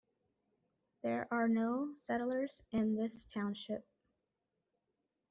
There are no settlers in this Township.